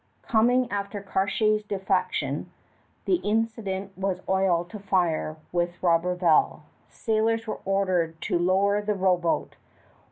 Coming after Cartier's defection, the incident was oil to fire with Roberval. Sailors were ordered to lower the rowboat.